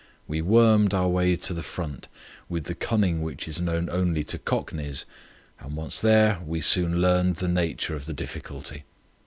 We wormed our way to the front, with the cunning which is known only to cockneys, and once there we soon learned the nature of the difficulty.